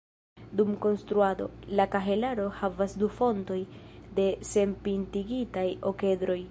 Dum konstruado, la kahelaro havas du fontoj de senpintigitaj okedroj.